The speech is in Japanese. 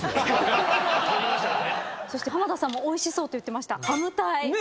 そして浜田さんもおいしそうと言ってましたハムタイ。